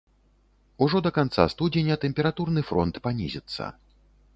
Ужо да канца студзеня тэмпературны фронт панізіцца.